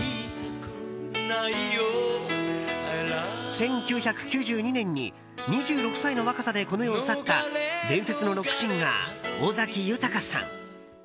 １９９２年に２６歳の若さでこの世を去った伝説のロックシンガー尾崎豊さん。